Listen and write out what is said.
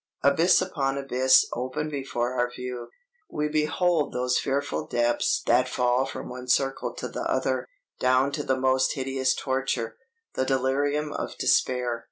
"Abyss upon abyss open before our view. We behold those fearful depths that fall from one circle to the other, down to the most hideous torture, the delirium of despair.